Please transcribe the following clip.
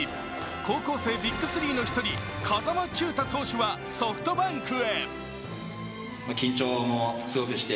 高校生ＢＩＧ３の一人、風間球打投手はソフトバンクへ。